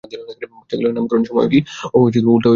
বাচ্চাকালে নামকরণের সময় কি ও উল্টা হয়ে শুয়ে ছিল?